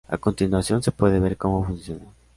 A continuación se puede ver cómo funciona.